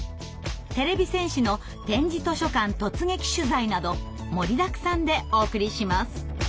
てれび戦士の「点字図書館突撃取材」など盛りだくさんでお送りします。